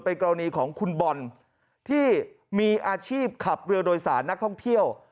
กรณีของคุณบอลที่มีอาชีพขับเรือโดยสารนักท่องเที่ยว